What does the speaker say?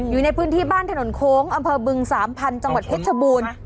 อยู่ในพื้นที่บ้านถนนโค้งอำเภอบึงสามพันธุ์จังหวัดเพชรชบูรณ์